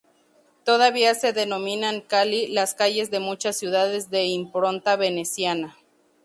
Todavía se denominan "calli" las calles de muchas ciudades de impronta veneciana.